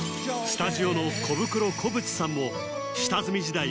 スタジオのコブクロ・小渕さんも下積み時代